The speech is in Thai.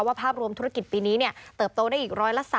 ภาพรวมธุรกิจปีนี้เติบโตได้อีก๑๓